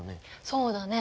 そうだね。